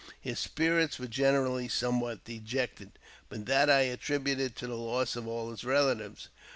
His spirits were generally somewhat dejected, but that I attributed to the loss of all his relatives.